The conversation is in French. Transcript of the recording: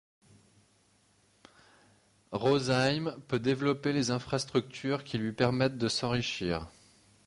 Rosheim peut développer les infrastructures qui lui permettent de s'enrichir.